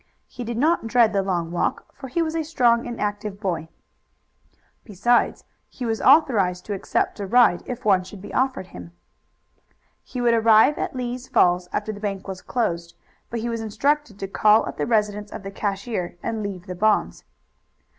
He did not dread the long walk, for he was a strong and active boy. Besides, he was authorized to accept a ride if one should be offered him. He would arrive at Lee's Falls after the bank was closed, but he was instructed to call at the residence of the cashier and leave the bonds.